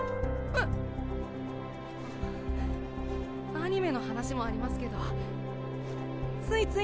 アニメの話もありますけどついついなんです。